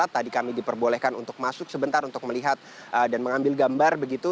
tadi kami diperbolehkan untuk masuk sebentar untuk melihat dan mengambil gambar begitu